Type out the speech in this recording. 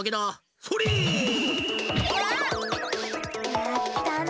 やったな！